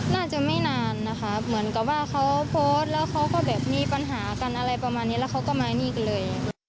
น่าจะไม่นานนะคะเหมือนกับว่าเขาโพสต์แล้วเขาก็แบบมีปัญหากันอะไรประมาณนี้แล้วเขาก็มานี่กันเลย